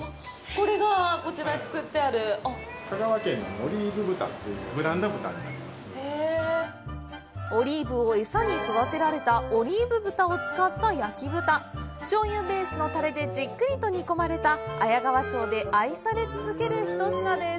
コレがこちらで作ってある香川県のオリーブを餌に育てられたオリーブ豚を使った焼き豚しょうゆベースのたれでじっくりと煮込まれた綾川町で愛され続けるひと品です